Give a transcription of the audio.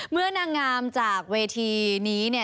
นางงามจากเวทีนี้เนี่ย